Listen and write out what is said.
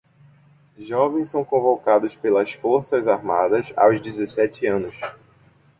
Jovens são convocados pelas forças armadas aos dezessete anos